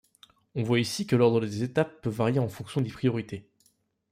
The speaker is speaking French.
On voit ici que l'ordre des étapes peut varier en fonction des priorités.